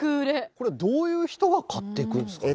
これどういう人が買っていくんですかね？